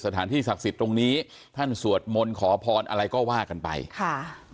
สถานที่ศักดิ์สิทธิ์ตรงนี้ท่านสวดมนต์ขอพรอะไรก็ว่ากันไปค่ะ